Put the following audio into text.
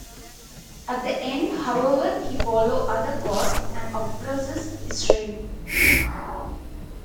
At the end, however, he follows other gods and oppresses Israel.